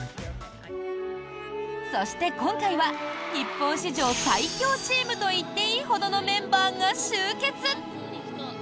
そして、今回は日本史上最強チームと言っていいほどのメンバーが集結！